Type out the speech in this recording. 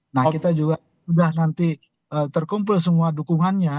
nah kita juga sudah nanti terkumpul semua dukungannya